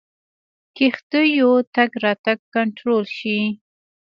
کښتیو تګ راتګ کنټرول شي.